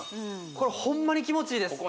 これホンマに気持ちいいです